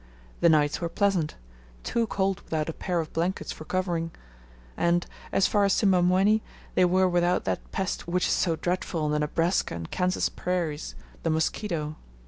The nights were pleasant too cold without a pair of blankets for covering; and, as far as Simbamwenni, they were without that pest which is so dreadful on the Nebraska and Kansas prairies, the mosquito.